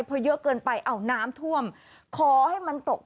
เหลือเกินไปอ่อน้ำถ้วมขอให้มันตกต้อง